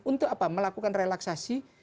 untuk melakukan relaksasi